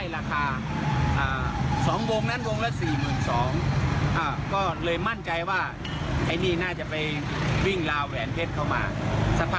รถแรงแห้งมาล่ะ